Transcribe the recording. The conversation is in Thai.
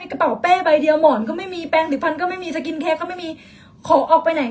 กระเป๊ะใบเดียวหมอนก็แปงตึดฟันก็ไม่มีก็ไม่มีของออกไปไหน